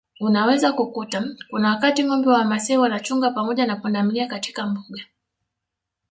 Unaweza kukuta kuna wakati ngombe wa Wamasai wanachunga pamoja na pundamilia katika Mbuga